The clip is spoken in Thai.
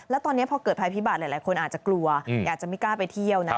แล้วตอนนี้พอเกิดภัยพิบัตรหลายคนอาจจะกลัวอยากจะไม่กล้าไปเที่ยวนะ